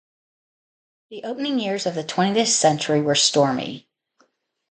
The opening years of the twentieth century were stormy.